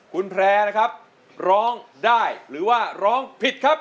คุณแพร่นะครับร้องได้หรือว่าร้องผิดครับ